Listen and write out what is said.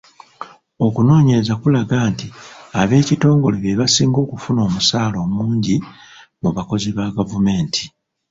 Okunoonyereza kulaga nti ab'ekitongole be basinga okufuna omusaala omungi mu bakozi ba gavumenti.